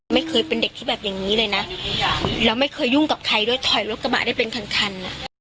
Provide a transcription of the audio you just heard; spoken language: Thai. ไม่เคยเป็นเด็กที่แบบอย่างนี้เลยนะแล้วไม่เคยยุ่งกับใครด้วยถอยรถกระบะได้เป็นคันคัน